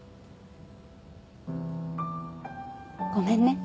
ごめんね。